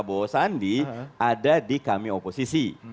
prabowo sandi ada di kami oposisi